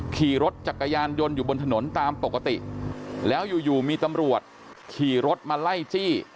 ขี่รถจักรยานยนต์อยู่บนถนนตามปกติแล้วอยู่อยู่มีตำรวจขี่รถมาไล่จี้